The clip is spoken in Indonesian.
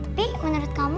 tapi menurut kamu